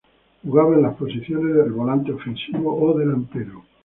Jugaba en las posiciones de volante ofensivo o delantero.